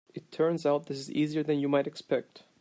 It turns out this is easier than you might expect.